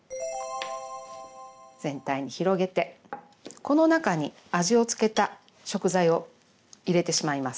全体に広げてこの中に味をつけた食材を入れてしまいます。